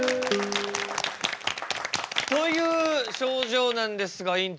という症状なんですが院長。